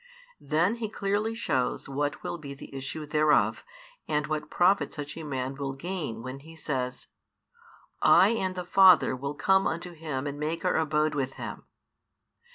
Then He clearly shows what will be the issue thereof and what profit such a man will gain when He says, I and the Father will come unto him and make Our abode with him.